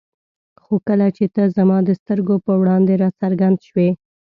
خو کله چې ته زما د سترګو په وړاندې را څرګند شوې.